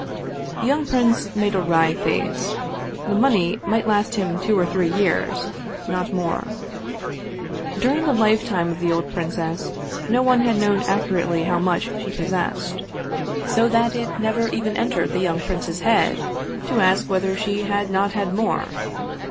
The young prince made a wry face the money might last him two or three years, not more. During the lifetime of the old princess no one had known accurately how much she possessed, so that it never even entered the young prince's head to ask whether 202 Vsevolod Vladimir ovitch Krestovski she had not had more.